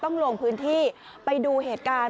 ลงพื้นที่ไปดูเหตุการณ์